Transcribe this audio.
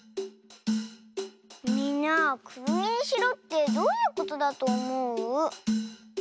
みんなくるみにしろってどういうことだとおもう？